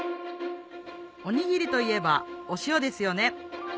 おにぎりといえばお塩ですよね